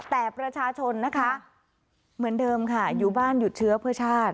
แต่ประชาชนนะคะเหมือนเดิมค่ะอยู่บ้านหยุดเชื้อเพื่อชาติ